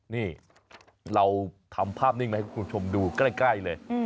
นี่เราทำภาพนิ่งมาให้คุณผู้ชมดูใกล้เลย